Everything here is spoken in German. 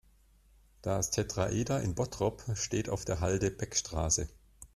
Das Tetraeder in Bottrop steht auf der Halde Beckstraße.